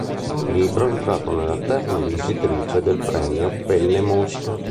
Il libro è entrato nella terna vincitrice del Premio Penne-Mosca.